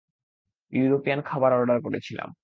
European খাবার order করেছিলাম।